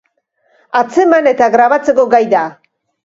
Atzeman eta grabatzeko gai da.